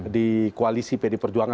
di koalisi pd perjuangan